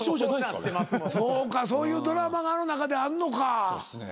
そうかそういうドラマがあの中であんのか。